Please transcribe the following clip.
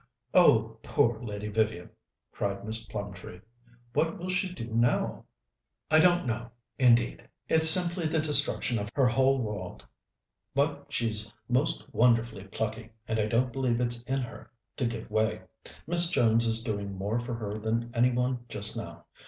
"Oh, poor Lady Vivian!" cried Miss Plumtree. "What will she do now?" "I don't know, indeed. It's simply the destruction of her whole world. But she's most wonderfully plucky, and I don't believe it's in her to give way. Miss Jones is doing more for her than any one just now.